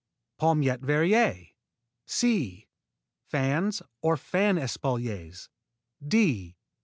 _ Palmette Verrier c. Fans or Fan espaliers _d.